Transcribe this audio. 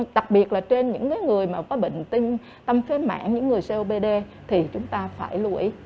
đặc biệt là trên những cái người mà có bệnh tâm phế mạng những người copd thì chúng ta phải lưu ý